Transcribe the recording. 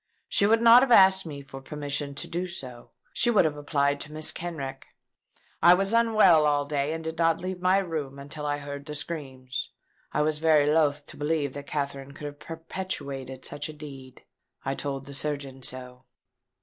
She would not have asked me for permission to do so. She would have applied to Mrs. Kenrick. I was unwell all day, and did not leave my room until I heard the screams. I was very loath to believe that Katherine could have perpetrated such a deed. I told the surgeon so."